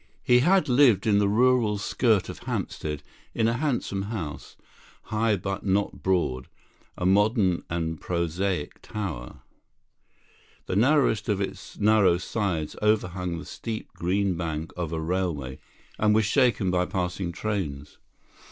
He had lived on the rural skirt of Hampstead in a handsome house, high but not broad, a modern and prosaic tower. The narrowest of its narrow sides overhung the steep green bank of a railway, and was shaken by passing trains.